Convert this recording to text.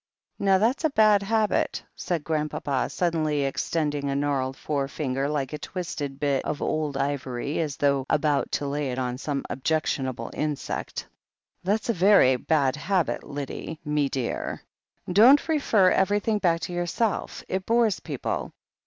"Now that's a bad habit," said Grandpapa, suddenly extending a gnarled forefinger like a little twisted bit of old ivory, as though about to lay it on some objec tionable insect. "That's a very bad habit, Lyddie, me dear. Don't refer everything back to yourself. It bores people.